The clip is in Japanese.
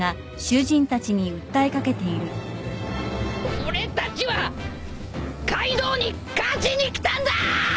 俺たちはカイドウに勝ちに来たんだっ！